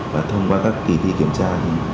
và thông qua các kỳ thi kiểm tra